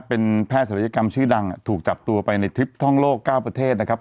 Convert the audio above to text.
เป็นแพทย์ศัลยกรรมชื่อดังถูกจับตัวไปในทริปท่องโลก๙ประเทศนะครับ